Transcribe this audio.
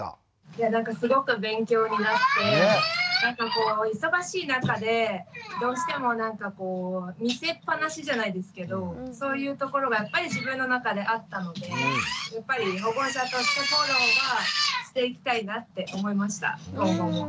いやなんかすごく勉強になって忙しい中でどうしてもなんかこう見せっぱなしじゃないですけどそういうところがやっぱり自分の中であったのでやっぱり保護者としてフォローはしていきたいなって思いました今後も。